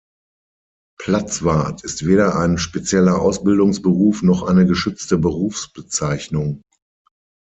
Platzwart ist weder ein spezieller Ausbildungsberuf noch eine geschützte Berufsbezeichnung.